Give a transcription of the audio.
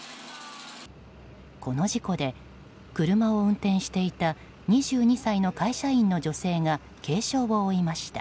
この事故で車を運転していた２２歳の会社員の女性が軽傷を負いました。